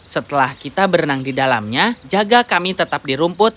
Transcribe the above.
setelah kita berenang di dalamnya jaga kami tetap di rumput